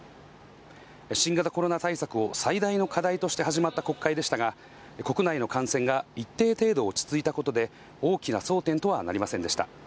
新型コロナ対策を最大の課題として始まった国会でしたが、国内の感染が一定程度落ち着いたことで、大きな争点とはなりませんでした。